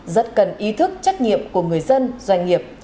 rất cần ý thức trách nhiệm của người dân doanh nghiệp